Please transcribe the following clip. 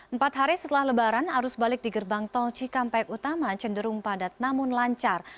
empat hari setelah lebaran arus balik di gerbang tol cikampek utama cenderung padat namun lancar